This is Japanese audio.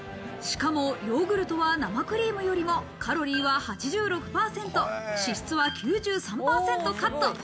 しかもヨーグルトは生クリームよりもカロリーは８６％、脂質は９３％カット。